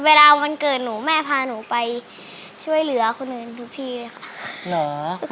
วันเกิดหนูแม่พาหนูไปช่วยเหลือคนอื่นทุกที่เลยค่ะ